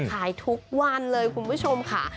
ขายทุกวันเลยคุณผู้ชมค่ะ